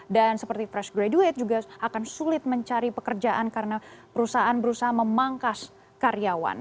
dan seperti fresh graduate juga akan sulit mencari pekerjaan karena perusahaan perusahaan memangkas karyawan